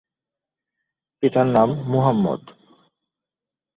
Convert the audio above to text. পিতার নাম মুহাম্মদ।